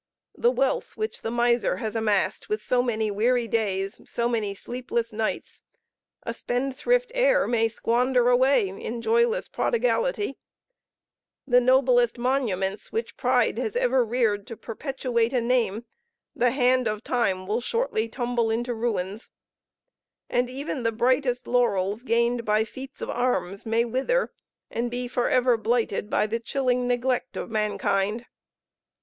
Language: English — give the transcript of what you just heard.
The wealth which the miser has amassed with so many weary days, so many sleepless nights, a spendthrift heir may squander away in joyless prodigality; the noblest monuments which pride has ever reared to perpetuate a name, the hand of time will shortly tumble into ruins; and even the brightest laurels, gained by feats of arms, may wither, and be for ever blighted by the chilling neglect of mankind.